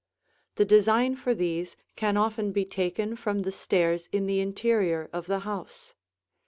The design for these can often be taken from the stairs in the interior of the house.